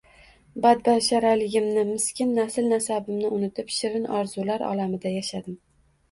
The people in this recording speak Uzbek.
Badbasharaligimni, miskin nasl-nasabimni unutib, shirin orzular olamida yashadim